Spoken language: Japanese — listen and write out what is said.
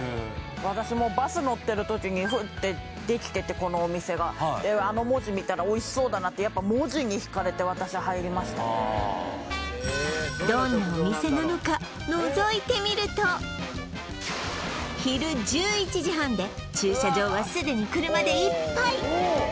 私もバス乗ってる時に出来ててこのお店がであの文字見たらおいしそうだなってやっぱ文字に惹かれて私入りましたのぞいてみると昼１１時半で駐車場はすでに車でいっぱい